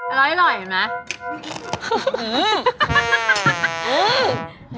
อร่อยเห็นไหม